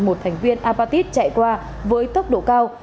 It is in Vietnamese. một thành viên apatit chạy qua với tốc độ cao